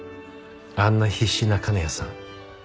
あんな必死な金谷さん